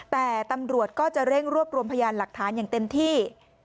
แต่ตำรวจก็จะเร่งรวบรวมพยานหลักฐานอย่างเต็มที่